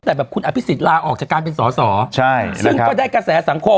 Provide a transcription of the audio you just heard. แต่แบบคุณอภิษฎลาออกจากการเป็นสอสอใช่ซึ่งก็ได้กระแสสังคม